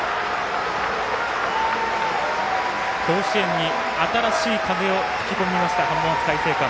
甲子園に新しい風を吹き込みました浜松開誠館。